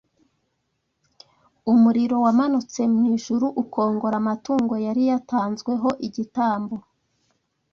umuriro wamanutse mu ijuru ukongora amatungo yari yatanzweho igitambo,